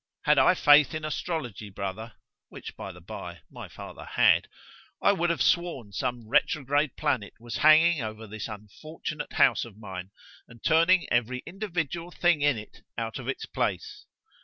had I faith in astrology, brother, (which, by the bye, my father had) I would have sworn some retrograde planet was hanging over this unfortunate house of mine, and turning every individual thing in it out of its place.